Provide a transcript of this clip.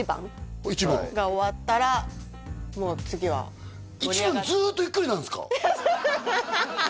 １番が終わったらもう次は１番ずっとゆっくりなんですか？